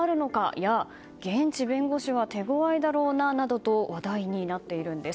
や現地弁護士は手ごわいだろうなと話題になっているんです。